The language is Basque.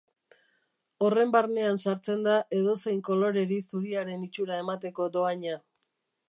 Horren barnean sartzen da edozein koloreri zuriaren itxura emateko dohaina.